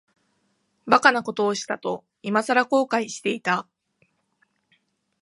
馬鹿なことをしたと、いまさら後悔していた。